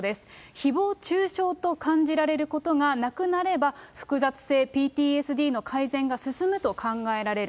ひぼう中傷と感じられることがなくなれば、複雑性ＰＴＳＤの改善が進むと考えられる。